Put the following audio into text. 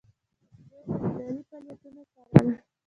دوی د ابدالي فعالیتونه څارل.